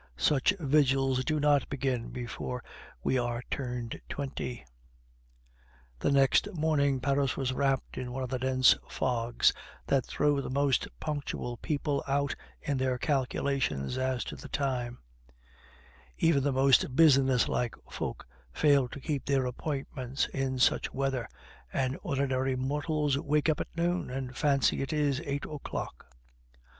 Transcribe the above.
Such vigils do not begin before we are turned twenty. The next morning Paris was wrapped in one of the dense fogs that throw the most punctual people out in their calculations as to the time; even the most business like folk fail to keep their appointments in such weather, and ordinary mortals wake up at noon and fancy it is eight o'clock.